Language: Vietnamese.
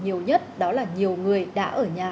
nhiều nhất đó là nhiều người đã ở nhà